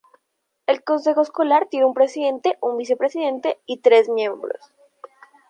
El consejo escolar tiene un presidente, un vicepresidente, y tres miembros.